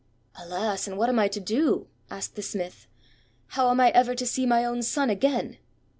"Alas! And what am I to do?" asked the smith. "How am I ever to see my own son again?"